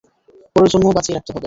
পরের জন্যেও বাঁচিয়ে রাখতে হবে।